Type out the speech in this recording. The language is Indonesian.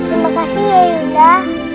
terima kasih ya yunda